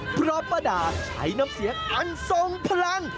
เพราะป้าดาใช้น้ำเสียงอันทรงพลัง